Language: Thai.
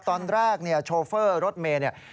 ตอนแรกเนี่ยโชเฟอร์รถเมย์เนี่ย